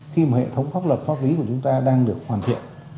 khi mà hệ thống pháp luật pháp lý của chúng ta đang được hoàn thiện